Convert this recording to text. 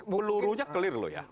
pelurunya clear loh ya